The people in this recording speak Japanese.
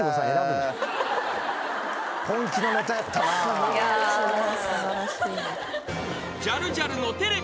素晴らしい。